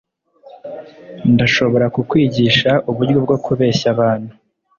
ndashobora kukwigisha uburyo bwo kubeshya abantu